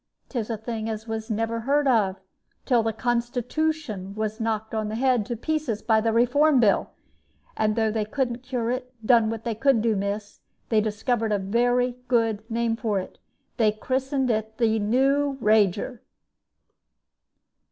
'Tis a thing as was never heard of till the Constitooshon was knocked on the head and to pieces by the Reform Bill. And though they couldn't cure it, they done what they could do, miss. They discovered a very good name for it they christened it the 'New rager!'"